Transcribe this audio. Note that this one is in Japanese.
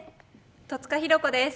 戸塚寛子です。